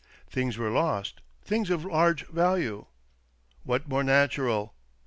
Things were lost — things of large value. What more natural ?